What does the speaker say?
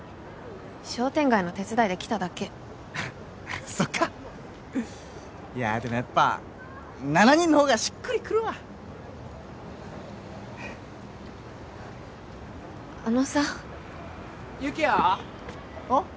商店街の手伝いで来ただけあっあっそっかいやーでもやっぱ７人のほうがしっくりくるわあのさ有起哉？あっ？